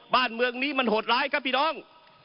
บ้านเมืองนี้มันโหดร้ายครับพี่น้อง